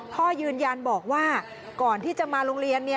พ่อยืนยันบอกว่าก่อนที่จะมาโรงเรียน